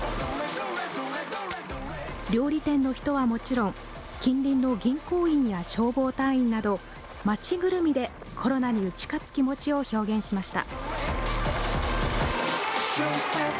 料理店の人はもちろん近隣の銀行員や消防隊員など街ぐるみでコロナに打ち勝つ気持ちを表現しました。